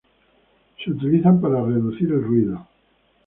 Se utilizan para reducir el ruido.